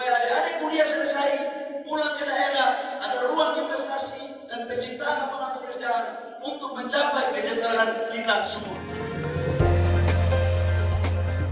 ada ruang investasi dan pencintaan apalagi pekerjaan untuk mencapai kejayaan kita semua